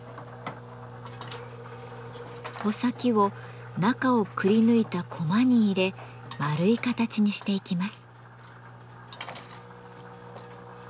穂先を中をくりぬいたコマに入れ丸い形にしていきます。